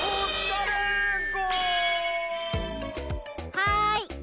はい！